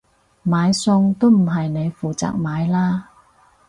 買餸都唔係你負責買啦？